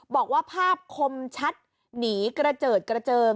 บอกว่าภาพคมชัดหนีกระเจิดกระเจิง